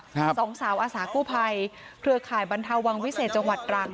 สองสาวอาสากู้ภัยเครือข่ายบรรเทาวังวิเศษจังหวัดตรัง